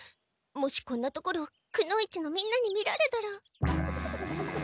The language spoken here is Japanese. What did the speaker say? もしこんなところをくの一のみんなに見られたら。